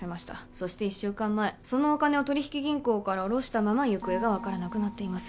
そして１週間前そのお金を取引銀行から下ろしたまま行方が分からなくなっています